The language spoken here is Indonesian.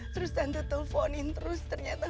terus tante telponin terus ternyata